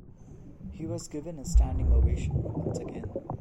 He was given a standing ovation once again.